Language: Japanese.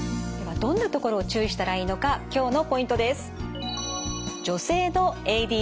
ではどんなところを注意したらいいのか今日のポイントです。